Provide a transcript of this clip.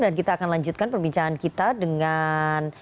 dan kita akan lanjutkan perbincangan kita dengan